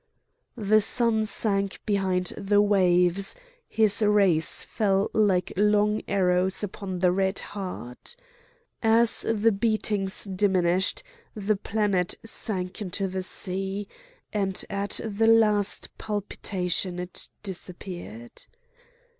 The sun sank behind the waves; his rays fell like long arrows upon the red heart. As the beatings diminished the planet sank into the sea; and at the last palpitation it disappeared.